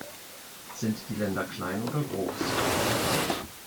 Sind die Länder klein oder groß?